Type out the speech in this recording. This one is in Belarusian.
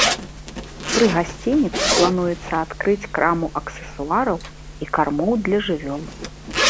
Пры гасцініцы плануецца адкрыць краму аксесуараў і кармоў для жывёл.